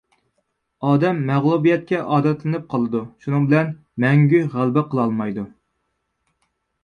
ئادەم مەغلۇبىيەتكە ئادەتلىنىپ قالىدۇ، شۇنىڭ بىلەن مەڭگۈ غەلىبە قىلالمايدۇ.